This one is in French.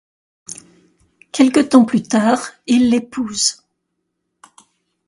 Quelque temps plus tard il l'épouse.